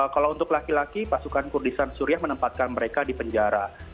kalau untuk laki laki pasukan kurdisan suria menempatkan mereka di penjara